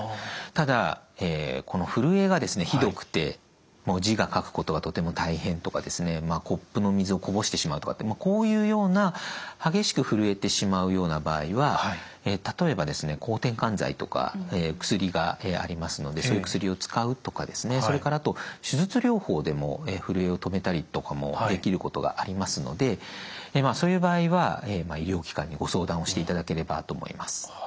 ただこのふるえがひどくて字が書くことがとても大変とかコップの水をこぼしてしまうとかこういうような激しくふるえてしまうような場合は例えば抗てんかん剤とか薬がありますのでそういう薬を使うとかそれからあと手術療法でもふるえを止めたりとかもできることがありますのでそういう場合は医療機関にご相談をしていただければと思います。